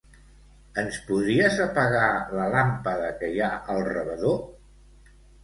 Ens podries apagar la làmpada que hi ha al rebedor?